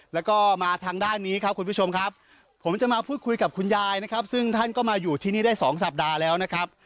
แล้วก็มาทางด้านนี้ครับคุณผู้ชมครับผมจะมาพูดคุยกับคุณยายนะครับซึ่งท่านก็มาอยู่ที่นี่ได้๒สัปดาห์แล้วนะครับ